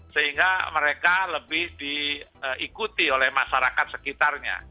sehingga mereka lebih diikuti oleh masyarakat sekitarnya